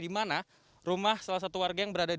di mana rumah salah satu warga yang berada di